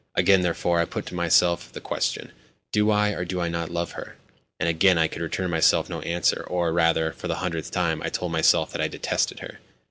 Again, therefore, I put to myself the question: "Do I, or do I not love her?" and again I could return myself no answer or, rather, for the hundredth time I told myself that I detested her.